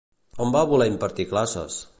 On va voler impartir classes?